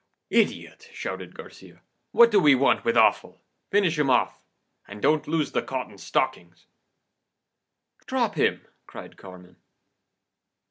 "'Idiot!' shouted Garcia, 'what do we want with offal! Finish him off, and don't lose the cotton stockings!' "'Drop him!' cried Carmen.